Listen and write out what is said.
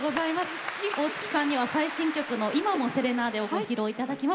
大月さんには最新曲の「今もセレナーデ」をご披露いただきます。